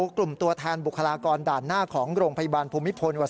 กลุ่มตัวแทนบุคลากรด่านหน้าของโรงพยาบาลภูมิพล